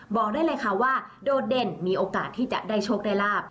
บอกได้เลยค่ะว่าโดดเด่นมีโอกาสที่จะได้โชคได้ลาบ